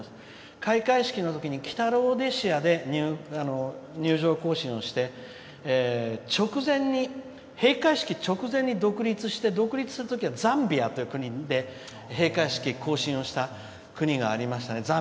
開会式のときに入場行進をして直前に閉会式直前に独立して独立するときはザンビアという国で閉会式行進をした国がありましたね。